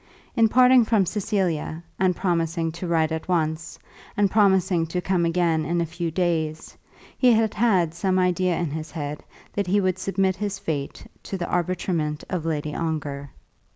In parting from Cecilia, and promising to write at once, and promising to come again in a few days, he had had some idea in his head that he would submit his fate to the arbitrament of Lady Ongar.